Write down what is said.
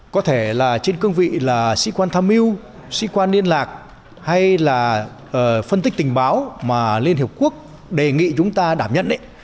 có thể là trên cương vị là sĩ quan tham mưu sĩ quan liên lạc hay là phân tích tình báo mà liên hiệp quốc đề nghị chúng ta đảm nhận